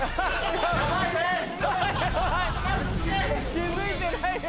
気付いてないよ！